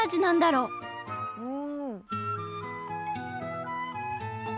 うん。